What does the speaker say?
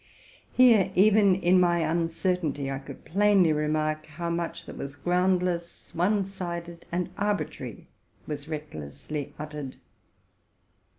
Here, even in my uncertainty, I could plainly perceive how much that was unfounded, one sided, and arbitrary, was recklessly uttered.